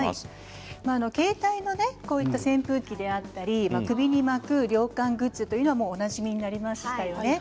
携帯の扇風機であったり首に巻く涼感グッズはおなじみになりましたよね。